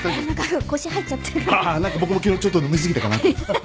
ああ何か僕も昨日ちょっと飲み過ぎたかな。